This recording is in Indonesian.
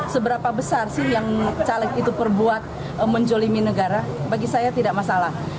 seberapa besar sih yang caleg itu berbuat menjolimi negara bagi saya tidak masalah